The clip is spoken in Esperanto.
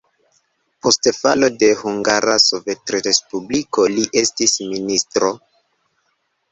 Post falo de Hungara Sovetrespubliko li estis ministro.